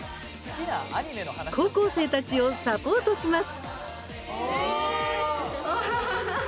高校生たちをサポートします。